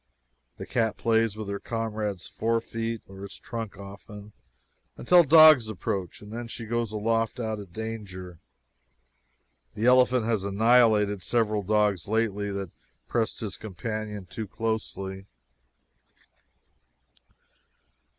The cat plays about her comrade's forefeet or his trunk often, until dogs approach, and then she goes aloft out of danger. The elephant has annihilated several dogs lately that pressed his companion too closely.